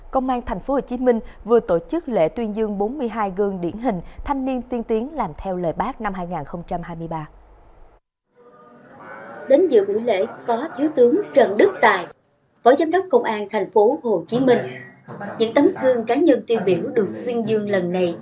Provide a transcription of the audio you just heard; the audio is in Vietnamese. công an tp hcm vừa tổ chức lễ tuyên dương bốn mươi hai gương điển hình thanh niên tiên tiến làm theo lời bác năm hai nghìn hai mươi ba